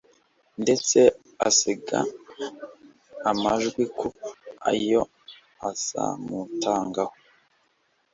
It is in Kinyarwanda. ndetse asiga amwijeje ko ibyo azamutangaho